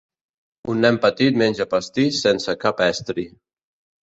Un nen petit menja pastís sense cap estri.